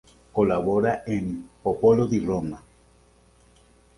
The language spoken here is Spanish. Colabora en "Popolo di Roma".